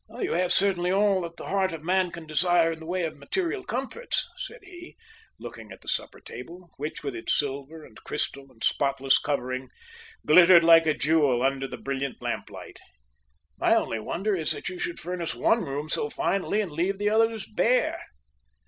"You have certainly all that the heart of man can desire in the way of material comforts," said he, looking at the supper table, which, with its silver and crystal and spotless covering, glittered like a jewel under the brilliant lamplight. "My only wonder is that you should furnish one room so finely and leave the others bare."